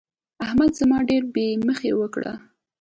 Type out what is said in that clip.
احمد زما ډېره بې مخي وکړه.